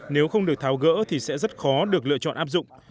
nếu không được tháo gỡ thì sẽ rất khó được lựa chọn áp dụng